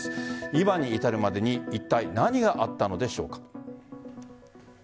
今に至るまでにいったい何があったのでしょうか。